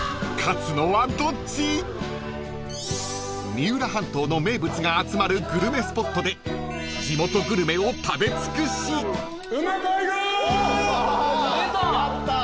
［三浦半島の名物が集まるグルメスポットで地元グルメを食べ尽くし］出た。